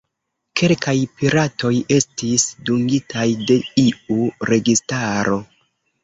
Kelkaj piratoj estis dungitaj de iu registaro.